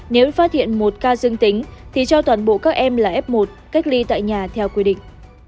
nếu phát hiện một ca dương tính thì cho toàn bộ các em là f một cách ly tại nhà theo quy định